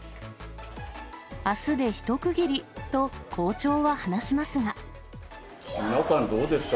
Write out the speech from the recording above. あすで一区切りと、皆さん、どうですか？